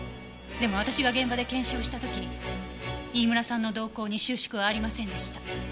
でも私が現場で検視をした時飯村さんの瞳孔に収縮はありませんでした。